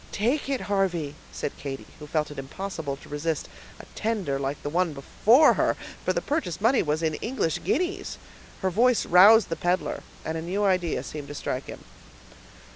"Take it, Harvey," said Katy, who felt it impossible to resist a tender like the one before her; for the purchase money was in English guineas. Her voice roused the peddler, and a new idea seemed to strike him.